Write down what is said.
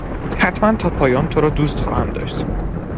حتما تا پایان تو را دوست خواهم داشت.